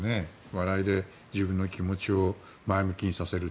笑いで自分の気持ちを前向きにさせる。